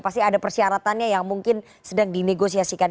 pasti ada persyaratannya yang mungkin sedang dinegosiasikan